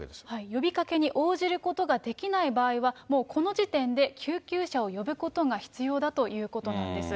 呼びかけに応じることができない場合は、もうこの時点で、救急車を呼ぶことが必要だということなんです。